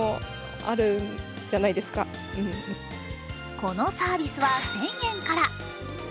このサービスは１０００円から。